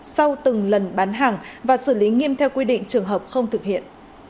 sau từng lần bán hàng và xử lý nghiêm theo quy định trường hợp không thực hiện